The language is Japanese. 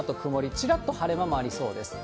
ちらっと晴れ間もありそうです。